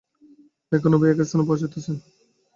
এখন উভয়ে এক স্থানে পৌঁছিতেছেন।